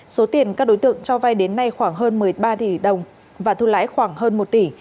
số tiền các đối tượng cho vay đến nay khoảng hơn một mươi ba tỷ đồng và thu lãi khoảng hơn một tỷ